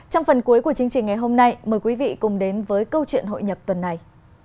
trong phần cuối của chương trình ngày hôm nay mời quý vị cùng đến với câu chuyện hội nhập tuần này